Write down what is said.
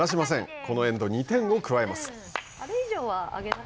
このエンド、２点を加えます。